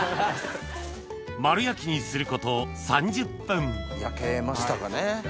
丸焼きにすること３０分焼けましたかね？